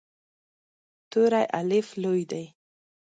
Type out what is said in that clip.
توری “الف” لوی دی.